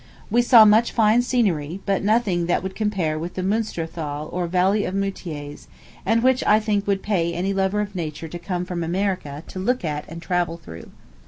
We saw much fine scenery, but nothing that would compare with the Munster Thal or Valley of Moutiers, and which I think would pay any lover of nature to come from America to look at and travel through.